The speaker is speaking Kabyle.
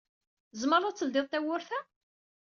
Tzemred ad tledyed tawwurt-a?